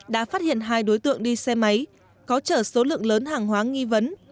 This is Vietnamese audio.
đã phát hiện hai đối tượng đi xe máy có chở số lượng lớn hàng hóa nghi vấn